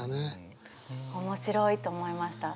面白いと思いました。